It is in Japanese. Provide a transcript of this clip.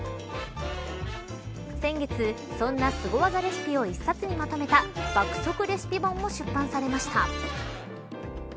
先月、そんなすご技レシピを一冊にまとめた爆速レシピ本も出版されました。